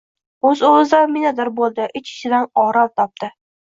O’z-o‘zidan minnatdor bo‘ldi. Ich-ichidan orom topdi.